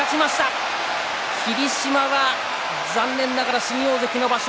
朝乃山霧島は残念ながら新大関場所